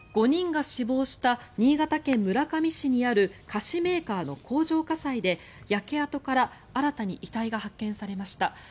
５人が死亡した新潟県村上市にある菓子メーカーの工場火災で焼け跡から新たに遺体が発見されました。